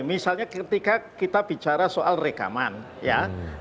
misalnya ketika kita bicara soal rekaman ya